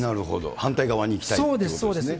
反対側に行きたいということそうですそうです。